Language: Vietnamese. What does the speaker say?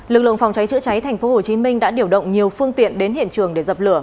lực lượng phòng cháy chữa cháy tp hcm đã điều động nhiều phương tiện đến hiện trường để dập lửa